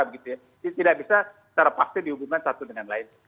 jadi tidak bisa secara pasti dihubungkan satu dengan lain